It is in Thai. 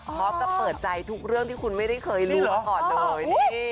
พร้อมกับเปิดใจทุกเรื่องที่คุณไม่ได้เคยรู้มาก่อนเลย